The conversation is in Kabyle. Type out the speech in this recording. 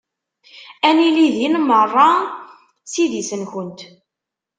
Ad nili din merra s idis-nkent.